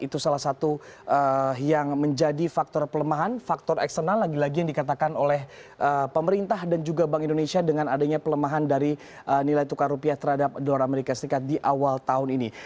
itu salah satu yang menjadi faktor pelemahan faktor eksternal lagi lagi yang dikatakan oleh pemerintah dan juga bank indonesia dengan adanya pelemahan dari nilai tukar rupiah terhadap dolar amerika serikat di awal tahun ini